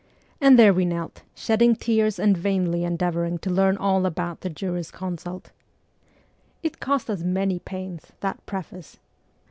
And there we knelt, shedding tears and vainly endeavouring to learn all about the jurisconsult. It cost us many pains, that preface